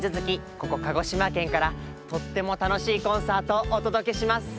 ここ鹿児島県からとってもたのしいコンサートをおとどけします。